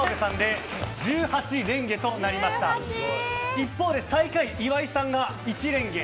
一方で最下位、岩井さんが１レンゲ。